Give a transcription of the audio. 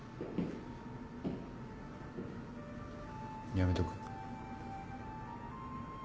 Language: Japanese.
やめとく？